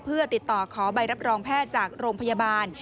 เพื่อติดต่อขอใบรับรองแพทย์จากโรงพยาบาล